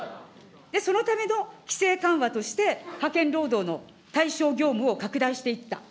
そのための規制緩和として、派遣労働の対象業務を拡大していった。